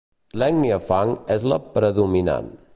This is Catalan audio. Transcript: L'ètnia Fang és la predominant.